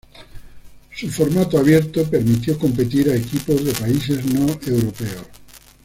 Su formato abierto permitió competir a equipos de países no-europeos.